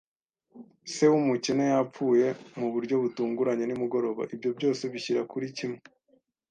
se w'umukene yapfuye mu buryo butunguranye nimugoroba, ibyo byose bishyira kuri kimwe